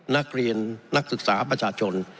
นักเรียนนักศึกษาประชาชน